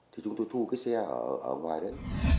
thì chúng tôi thu cái xe ở ngoài đây